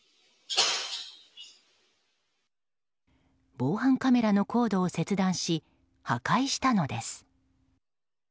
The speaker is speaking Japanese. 防犯カメラのコードを切断し破壊したのです。